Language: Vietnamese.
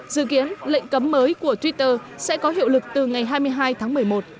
dự kiến lệnh cấm mới của twitter sẽ có hiệu lực từ ngày hai mươi hai tháng một mươi một